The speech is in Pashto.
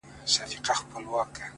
شعـر كي مي راپـاتـــه ائـيـنه نـه ده،